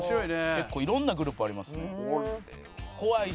結構色んなグループありますね。